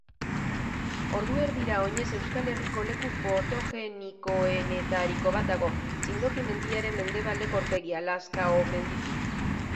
Ordu erdira oinez Euskal Herriko leku fotogenikoenetariko bat dago, Txindoki mendiaren mendebaldeko aurpegia Lazkaomenditik.